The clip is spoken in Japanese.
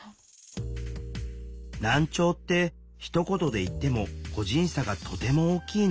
難聴ってひと言で言っても個人差がとても大きいの。